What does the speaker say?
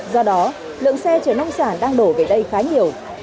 do đó lượng xe chở nông sản đang đổ về đây khá nhiều